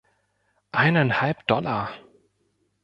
Eineinhalb Dollar!